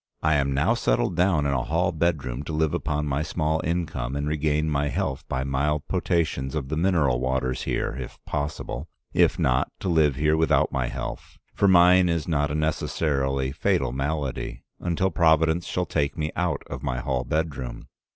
I am now settled down in a hall bedroom to live upon my small income, and regain my health by mild potations of the mineral waters here, if possible; if not, to live here without my health — for mine is not a necessarily fatal malady — until Providence shall take me out of my hall bedroom.